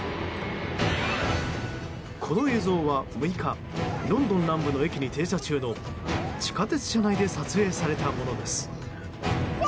この映像は６日ロンドン南部の駅に停車中の地下鉄車内で撮影されたものです。